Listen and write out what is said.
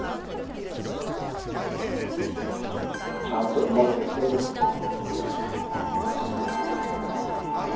ちゃんとうまくできてるんだって。